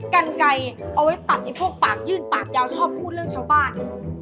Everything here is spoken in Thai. กันไก่เอาไว้ตัดไอ้พวกปากยื่นปากยาวชอบพูดเรื่องชาวบ้าน